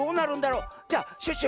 じゃあシュッシュ